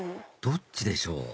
どっちでしょう？